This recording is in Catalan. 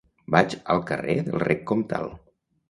Vaig al carrer del Rec Comtal.